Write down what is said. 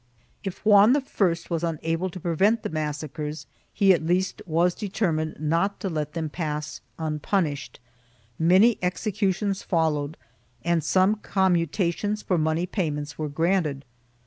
3 If Juan I was unable to prevent the massacres he at least was determined not to let them pass unpunished; many executions followed and some commutations for money payments were granted.